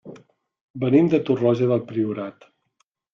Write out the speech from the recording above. Venim de Torroja del Priorat.